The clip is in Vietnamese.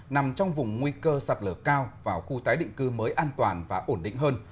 nằm trong vùng nguy cơ sạt lở cao vào khu tái định cư mới an toàn và ổn định hơn